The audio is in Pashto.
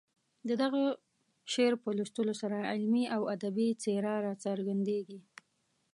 د دغه شعر په لوستلو سره علمي او ادبي څېره راڅرګندېږي.